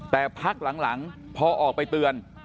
แต่พักหลังพอออกไปเตือน